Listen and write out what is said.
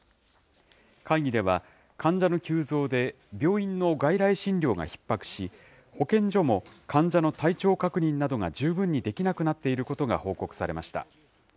会議では、患者の急増で病院の外来診療がひっ迫し、保健所も患者の体調確認などが十分にできなくなっていることが報告されました。